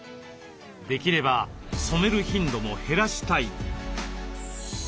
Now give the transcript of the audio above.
できれば染める頻度も減らしたい。